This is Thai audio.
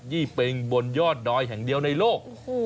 ี่เป็งบนยอดดอยแห่งเดียวในโลก